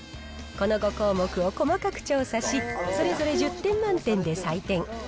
この５項目を細かく調査し、それぞれ１０点満点で採点。